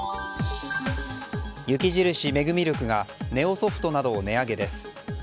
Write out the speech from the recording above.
雪印メグミルクがネオソフトなどを値上げです。